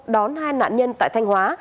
đón hai nạn nhân tại thanh hóa